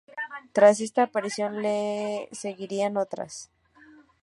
Tras esta aparición le seguirían otras.